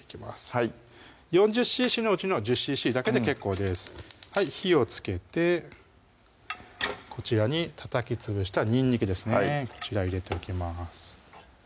はい４０ｃｃの内の１０ｃｃだけで結構です火をつけてこちらにたたきつぶしたにんにくですねこちら入れておきます